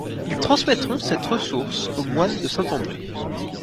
Ils transmettront cette ressource aux moines de Saint-André.